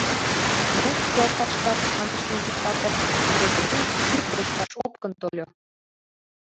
— Ну, йолташ-влак, — манеш Нӧнчык-патыр, — мый декем шӱр кочкаш Опкын тольо.